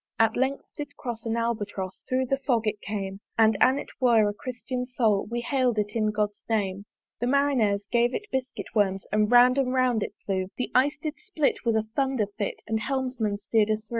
At length did cross an Albatross, Thorough the Fog it came; And an it were a Christian Soul, We hail'd it in God's name. The Marineres gave it biscuit worms, And round and round it flew: The Ice did split with a Thunder fit; The Helmsman steer'd us thro'.